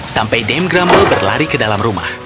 sampai dame grumble berlari ke dalam rumah